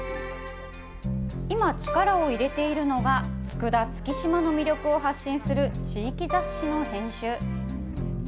今、力を入れているのが、佃・月島の魅力を発信する地域雑誌の編集。